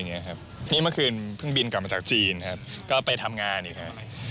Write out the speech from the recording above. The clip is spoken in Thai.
นี่ครับนี่เมื่อคืนเพิ่งบินกลับมาจากจีนครับก็ไปทำงานอีกครับ